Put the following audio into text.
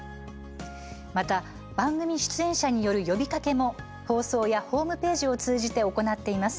また番組出演者による呼びかけも放送やホームページを通じて行っています。